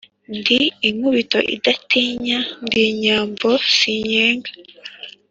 Ndi inkubito idatinya, ndi Nyambo sinkenga